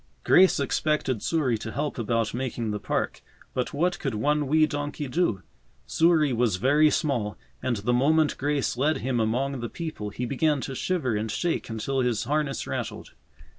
Grace expected Souris to help about making the park, but what could one wee donkey do? Souris was very small, and the moment Grace led him among the people he began to shiver and shake until his harness rattled.